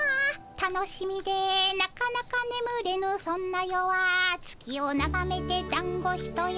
『楽しみでなかなかねむれぬそんな夜は月をながめてだんごひと山』」。